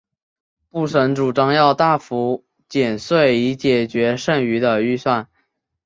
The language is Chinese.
布什主张要大幅减税以解决剩余的预算。